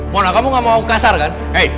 mona kamu gak mau kasar kan